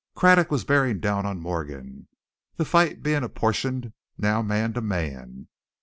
Craddock was bearing down on Morgan, the fight being apportioned now man to man.